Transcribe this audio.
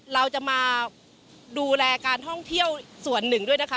เราจะมาดูแลการท่องเที่ยวส่วนหนึ่งด้วยนะคะ